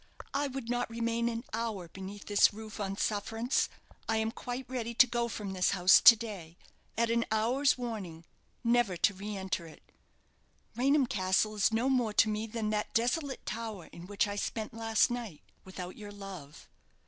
I would not remain an hour beneath this roof on sufferance. I am quite ready to go from this house to day, at an hour's warning, never to re enter it. Raynham Castle is no more to me than that desolate tower in which I spent last night without your love.